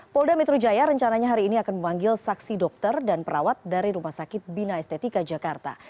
polda metro jaya rencananya hari ini akan memanggil saksi dokter dan perawat dari rumah sakit bina estetika jakarta